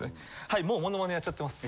はいもうモノマネやっちゃってます。